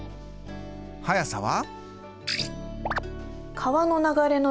速さは？